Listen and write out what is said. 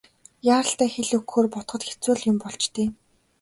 Яаралтай хэл өгөхөөр бодоход хэцүү л юм болж дээ.